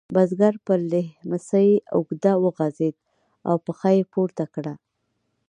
بزګر پر لیهمڅي اوږد وغځېد او پښه یې پورته کړه.